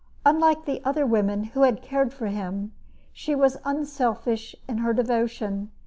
Unlike the other women who had cared for him, she was unselfish in her devotion.